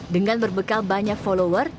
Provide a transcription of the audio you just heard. dengan berbekal banyak follower